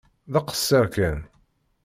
D aqeṣṣeṛ kan.